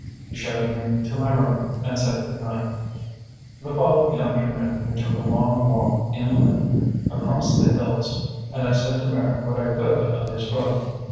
He showed me to my room and said good night. The following afternoon we took a long walk inland, across the hills, and I said to Merrick what I could of his book.